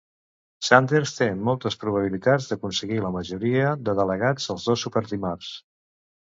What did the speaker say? Sanders té moltes probabilitats d'aconseguir la majoria de delegats als dos superdimarts.